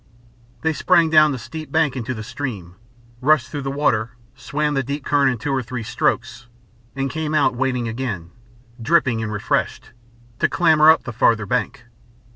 They sprang down the steep bank into the stream, rushed through the water, swam the deep current in two or three strokes, and came out wading again, dripping and refreshed, to clamber up the farther bank.